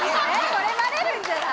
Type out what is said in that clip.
これバレるんじゃない？